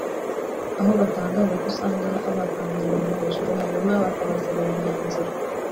aho batangaza ko usanga babapangira ibintu hejuru hanyuma bakabazanira imyanzuro